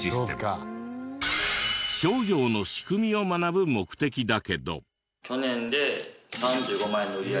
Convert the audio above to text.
商業の仕組みを学ぶ目的だけど。